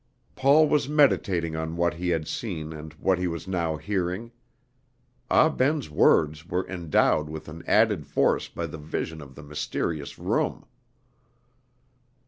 Paul was meditating on what he had seen and what he was now hearing. Ah Ben's words were endowed with an added force by the vision of the mysterious room.